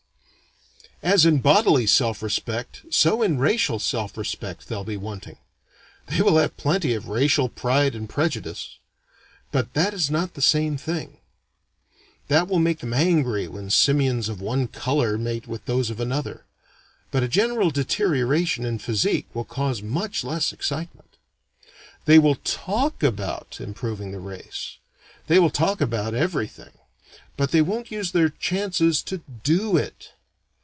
As in bodily self respect, so in racial self respect, they'll be wanting. They will have plenty of racial pride and prejudice, but that is not the same thing. That will make them angry when simians of one color mate with those of another. But a general deterioration in physique will cause much less excitement. They will talk about improving the race they will talk about everything but they won't use their chances to do it.